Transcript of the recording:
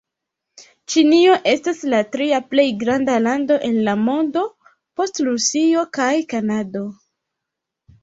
Ĉinio estas la tria plej granda lando en la mondo, post Rusio kaj Kanado.